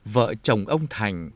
vợ chồng ông thành